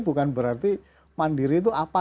bukan berarti mandiri itu apa